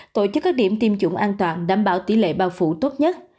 tổ chức các điểm tiêm chủng an toàn đảm bảo tỷ lệ bao phủ tốt nhất